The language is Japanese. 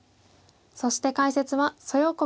そして解説は蘇耀国九段です。